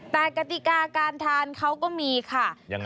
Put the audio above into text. แต่กติกาการทานเขาก็มีค่ะ